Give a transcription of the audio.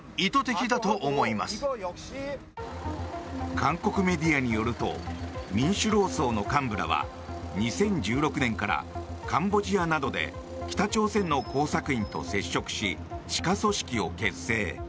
韓国メディアによると民主労総の幹部らは２０１６年からカンボジアなどで北朝鮮の工作員と接触し地下組織を結成。